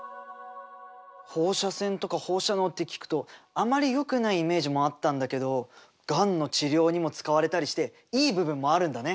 放射線とか放射能って聞くとあまりよくないイメージもあったんだけどがんの治療にも使われたりしていい部分もあるんだね。